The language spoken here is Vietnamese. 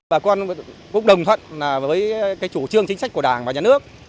bà con cũng đồng thuận là với cái chủ trương chính sách của đảng và nhà nước